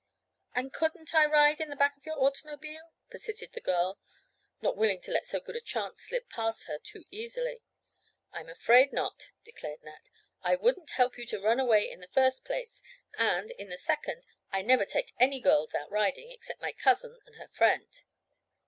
"And couldn't I ride in the back of your automobile?" persisted the girl, not willing to let so good a chance slip past her too easily. "I'm afraid not," declared Nat. "I wouldn't help you to run away in the first place, and, in the second, I never take any girls out riding, except my cousin and her friend."